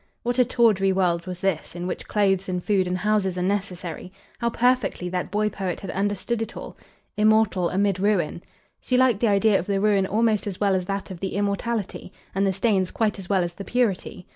'" What a tawdry world was this, in which clothes and food and houses are necessary! How perfectly that boy poet had understood it all! "'Immortal amid ruin!'" She liked the idea of the ruin almost as well as that of the immortality, and the stains quite as well as the purity.